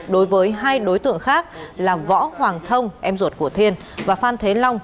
đối với hai đối tượng khác là võ hoàng thông em ruột của thiên và phan thế long